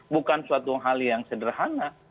bukan suatu hal yang sederhana